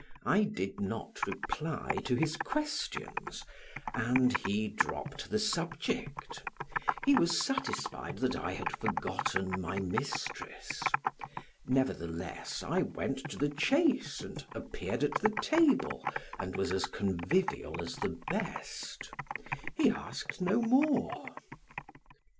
I did not reply to his questions and he dropped the subject; he was satisfied that I had forgotten my mistress. Nevertheless, I went to the chase and appeared at the table and was as convivial as the best; he asked no more.